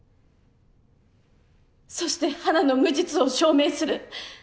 そして花の無実を証明する。